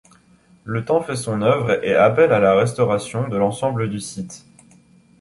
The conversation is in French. Le temps fait son œuvre et appelle à la restauration de l’ensemble du site.